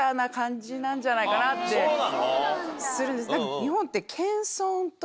日本って。